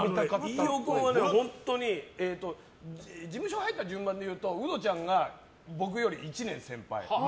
飯尾君はね、本当に事務所入った順番でいうとウドちゃんが僕より１年先輩。